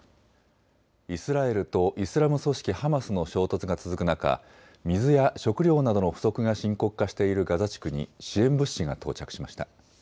イスラエルとイスラム組織ハマスの衝突が続く中、水や食料などの不足が深刻化しているガザ地区に支援物資が到着しました。